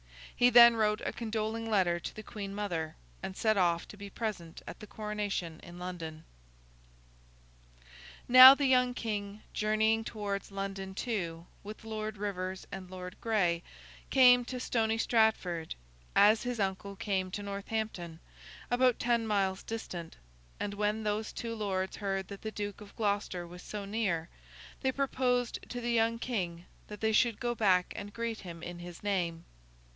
He then wrote a condoling letter to the Queen Mother, and set off to be present at the coronation in London. Now, the young King, journeying towards London too, with Lord Rivers and Lord Gray, came to Stony Stratford, as his uncle came to Northampton, about ten miles distant; and when those two lords heard that the Duke of Gloucester was so near, they proposed to the young King that they should go back and greet him in his name.